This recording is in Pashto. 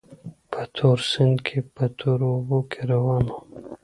په تور سیند کې په تورو اوبو کې روان وو.